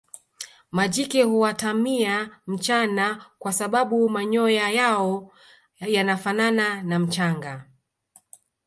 majike huatamia mchana kwa sababu manyoya yao yanafanana na mchanga